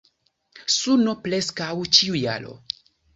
Suno preskaŭ ĉiu jaro.